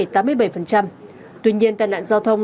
tuy nhiên tai nạn giao thông